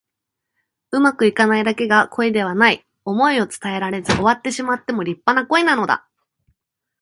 うまくいかないだけが恋ではない。想いを伝えられず終わってしまっても立派な恋なのだ。